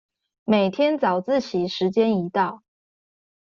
每天早自習時間一到